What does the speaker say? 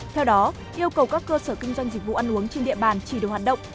theo đó yêu cầu các cơ sở kinh doanh dịch vụ ăn uống trên địa bàn chỉ được hoạt động